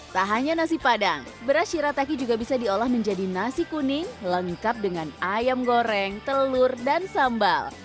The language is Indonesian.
tak hanya nasi padang beras shirataki juga bisa diolah menjadi nasi kuning lengkap dengan ayam goreng telur dan sambal